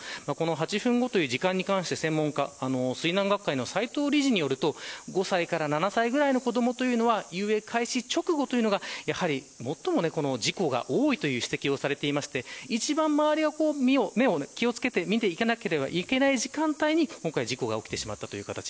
８分後という時間に関して専門家、水難学会の斎藤理事によると５歳から７歳ぐらいの子どもは遊泳開始直後というのが最も事故が多いという指摘をされていまして一番周りが気を付けて見ていかなければいけない時間帯に事故が起きてしまったという形。